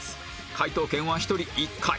解答権は１人１回